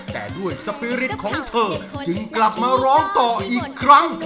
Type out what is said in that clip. แต่ด้วยสปีริตของเธอจึงกลับมาร้องต่ออีกครั้ง